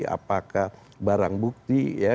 apakah barang bukti ya